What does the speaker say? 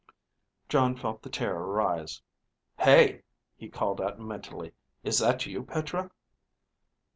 Jon felt the terror rise. Hey, he called out mentally, _is that you, Petra?